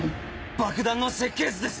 爆弾の設計図です！